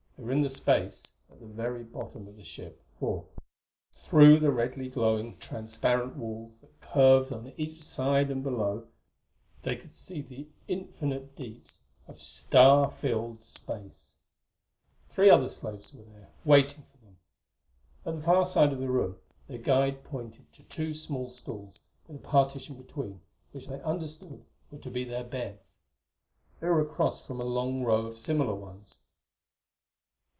They were in the space at the very bottom of the ship, for, through the redly glowing transparent walls that curved on each side and below, they could see the infinite deeps of star filled space. Three other slaves were there, waiting for them. At the far side of the room their guide pointed to two small stalls, with a partition between, which they understood were to be their beds. They were across from a long row of similar ones.